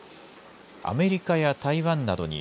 アメリカや台湾などに、